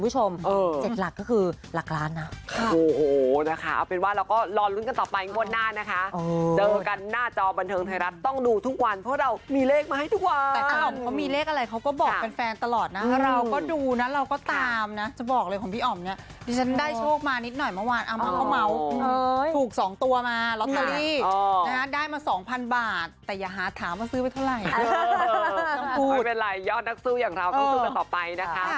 จาวบนเทิงไทยรัฐต้องดูทุกวันเพราะเรามีเลขมาให้ทุกวันมีเลขอะไรก็บอกแฟนตลอดนะเราก็ดูเราก็ตามนะจะบอกเลยคุณพี่อ๋อมเนี่ยฉันได้โชคมานิดหน่อยมะวานถูก๒ตัวล็อตเตอรี่ได้มา๒๐๐๐บาทแต่อย่าหาถามว่าเกี่ยวข้อกลับซื้อไปเท่าไร